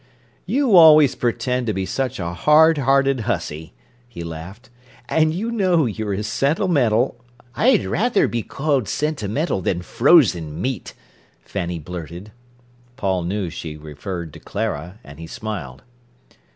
"You always pretend to be such a hard hearted hussy," he laughed. "And you know you're as sentimental—" "I'd rather be called sentimental than frozen meat," Fanny blurted. Paul knew she referred to Clara, and he smiled.